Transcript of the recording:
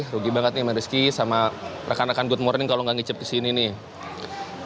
rugi banget nih sama rizky sama rekan rekan good morning kalau nggak ngicep kesini nih